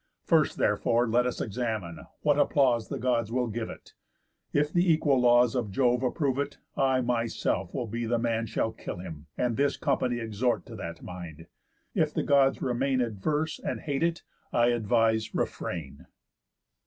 First, therefore, let's examine, what applause The Gods will give it: If the equal laws Of Jove approve it, I myself will be The man shall kill him, and this company Exhort to that mind: If the Gods remain Adverse, and hate it, I advise, refrain."